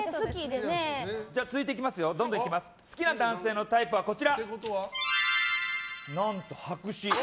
好きな男性のタイプは何と白紙。